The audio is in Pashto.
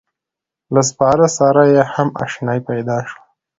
له سپارې سره یې هم اشنایي پیدا شوه.